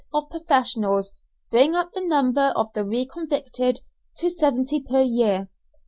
of professionals, bring up the number of the re convicted to seventy per cent.